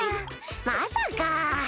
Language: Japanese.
まさか！